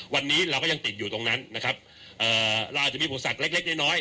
วันนี้เราก็ยังติดอยู่ตรงนั้นนะครับเอ่อเราอาจจะมีอุปสรรคเล็กเล็กน้อยน้อย